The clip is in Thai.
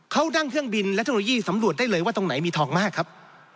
เขานั่งเครื่องบินและเทคโนโลยีสำรวจได้เลยว่าตรงไหนมีทองมากครับ